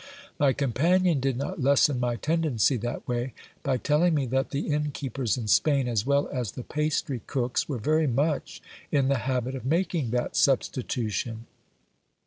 My companion did not lessen my tendency that way, by telling me that the inn keepers in Spain, as well as the pastry cooks, were very much in the habit of making that substitution.